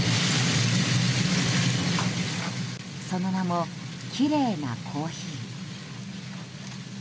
その名も、きれいなコーヒー。